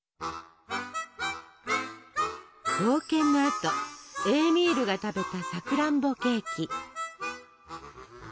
冒険のあとエーミールが食べたさくらんぼケーキ。